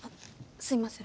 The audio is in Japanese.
すいません。